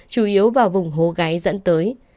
chủ yếu vào vùng hố gáy dẫn tới